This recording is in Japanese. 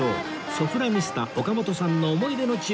ソプラニスタ岡本さんの思い出の地を巡る旅